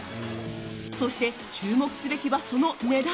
そして注目すべきはその値段。